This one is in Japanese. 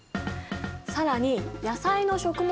更に野菜の食物